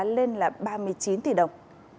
lên là ba mươi chín tỷ đồng